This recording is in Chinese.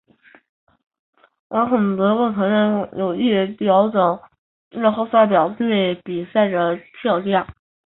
梁孔德更承认有意调整日后代表队比赛的票价。